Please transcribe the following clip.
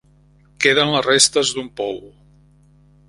Queden les restes d'un pou.